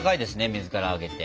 水からあげて。